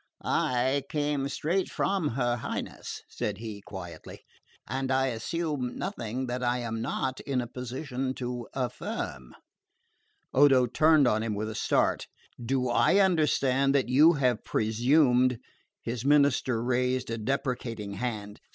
"I come straight from her Highness," said he quietly, "and I assume nothing that I am not in a position to affirm." Odo turned on him with a start. "Do I understand that you have presumed ?" His minister raised a deprecating hand.